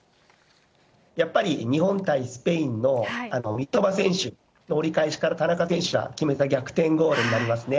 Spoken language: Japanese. やっぱり日本対スペインの、あの三笘選手の折り返しから、田中選手が決めた逆転ゴールになりますね。